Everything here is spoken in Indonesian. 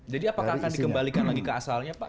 jadi apakah akan dikembalikan lagi ke asalnya pak